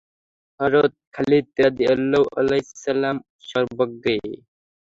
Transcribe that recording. হযরত Khalid রাযিয়াল্লাহু আনহু ছিলেন সর্বাগ্রে।